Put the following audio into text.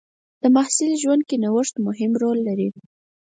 د محصل ژوند کې نوښت مهم رول لري.